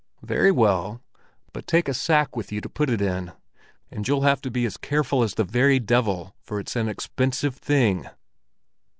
"Very well; but take a sack with you to put it in. And you'll have to be as careful as the very devil, for it's an expensive thing."